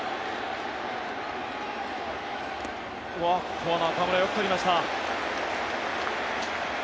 ここは中村よくとりました。